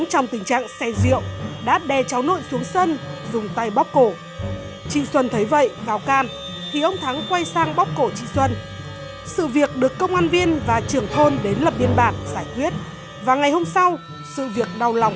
xin chào và hẹn gặp lại trong các video tiếp theo